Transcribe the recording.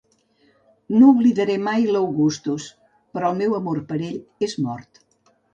No oblidaré mai l'Augustus, però el meu amor per ell és mort.